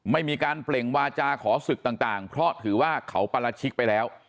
ไม่มีการเปล่งวาจาขอศึกต่างเพราะถือว่าเขาปราชิกไปแล้ว